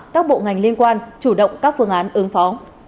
các bộ ngành liên quan chủ động các phương án ứng phó